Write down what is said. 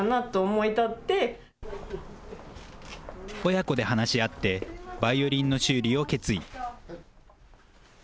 親子で話し合ってバイオリンの修理を決意。